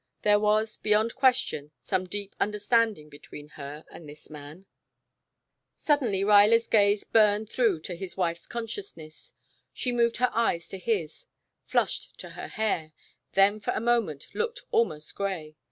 there was, beyond question, some deep understanding between her and this man. Suddenly Ruyler's gaze burned through to his wife's consciousness. She moved her eyes to his, flushed to her hair, then for a moment looked almost gray.